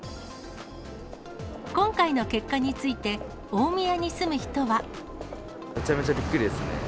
今回の結果について、大宮に住む人は。めちゃめちゃびっくりですね。